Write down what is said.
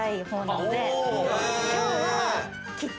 今日は。